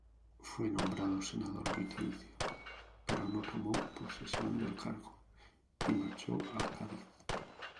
Fue nombrado senador vitalicio, pero no tomó posesión del cargo y marchó a Cádiz.